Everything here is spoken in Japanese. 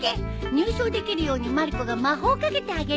入賞できるようにまる子が魔法をかけてあげる。